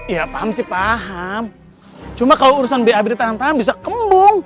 iya paham sih paham cuma kalau urusan bab tanam tanam bisa kembung